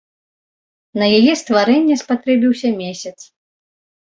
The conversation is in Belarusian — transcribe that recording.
На яе стварэнне спатрэбіўся месяц.